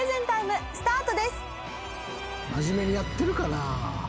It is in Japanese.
真面目にやってるかな？